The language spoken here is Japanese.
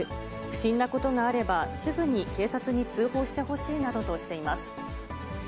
不審なことがあればすぐに警察に通報してほしいなどとしています。